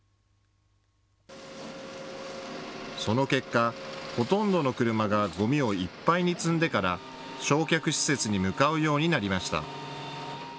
その結果、ほとんどの車がゴミをいっぱいに積んでから焼却施設に向かうようになりました。